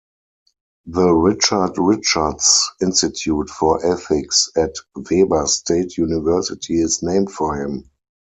The Richard Richards Institute for Ethics at Weber State University is named for him.